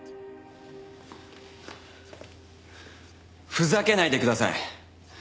ふざけないでください！